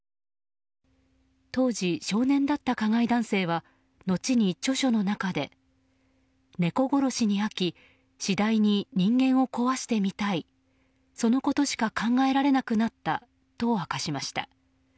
当時、少年だった加害男性は後に著書の中で、猫殺しに飽き次第に人間を壊してみたいそのことしか考えられなくなったと明かしました。